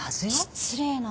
失礼な。